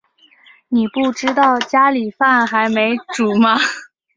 妳不知道家里饭还没煮吗